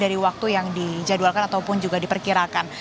dari waktu yang dijadwalkan ataupun juga diperkirakan